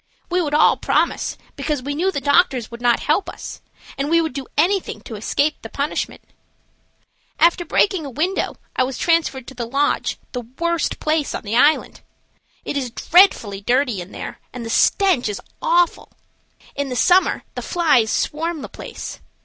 We would all promise, because we knew the doctors would not help us, and we would do anything to escape the punishment. After breaking a window I was transferred to the Lodge, the worst place on the island. It is dreadfully dirty in there, and the stench is awful. In the summer the flies swarm the place.